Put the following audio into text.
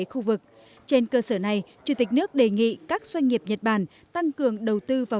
khu vực trên cơ sở này chủ tịch nước đề nghị các doanh nghiệp nhật bản tăng cường đầu tư vào